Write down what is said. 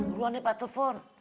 perluan nih pak tufon